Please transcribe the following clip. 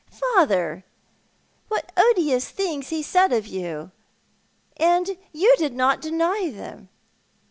"Father, what odious things he said of you — and you did not deny them."